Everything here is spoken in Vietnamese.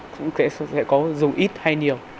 cũng sẽ có dùng ít hay nhiều